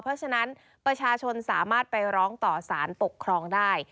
เพราะฉะนั้นประชาชนสามารถไปร้องต่อสารปกครองได้